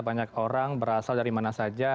banyak orang berasal dari mana saja